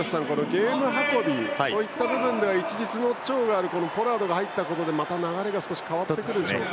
ゲーム運びという部分では一日の長があるポラードが入ったことでまた流れが少し変わってくるでしょうか。